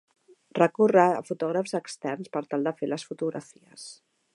Recorre a fotògrafs externs per tal de fer les fotografies.